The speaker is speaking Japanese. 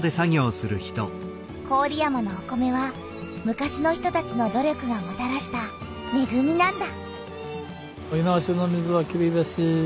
郡山のお米は昔の人たちの努力がもたらしためぐみなんだ。